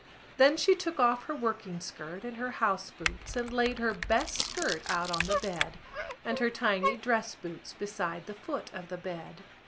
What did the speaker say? Then she took off her working skirt and her house boots and laid her best skirt out on the bed and her tiny dress boots beside the foot of the bed.